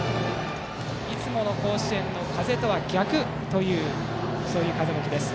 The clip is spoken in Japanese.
いつもの甲子園の風とは逆という風向きです。